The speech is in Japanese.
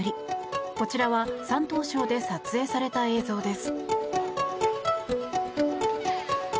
こちらは山東省で撮影された映像です。